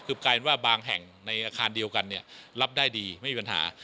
คือกลายเป็นว่าบางแห่งในอาคารเดียวกันเนี่ยรับได้ดีไม่มีปัญหา